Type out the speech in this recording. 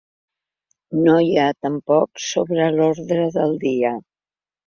No hi ha tampoc sobre l’ordre del dia.